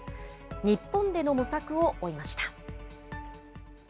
日本での模索を追いました。